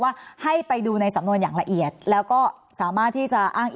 ว่าให้ไปดูในสำนวนอย่างละเอียดแล้วก็สามารถที่จะอ้าง